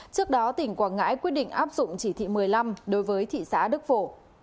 trước đó tỉnh quảng ngãi quyết định áp dụng chỉ thị một mươi năm đối với thị xã đức phổ